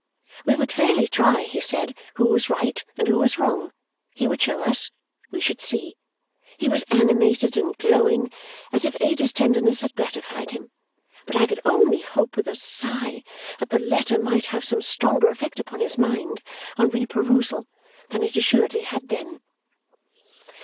We would fairly try, he said, who was right and who was wrong he would show us we should see! He was animated and glowing, as if Ada's tenderness had gratified him; but I could only hope, with a sigh, that the letter might have some stronger effect upon his mind on re perusal than it assuredly had then.